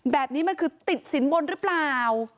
แบบนี้มันคือติดสินบนหรือเปล่า